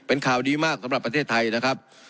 เป็นข่าวดีมากสำหรับประเทศไทยนะครับ